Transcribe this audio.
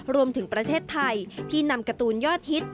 รวมถึงประเทศไทยที่นำการ์ตูนยอดฮิต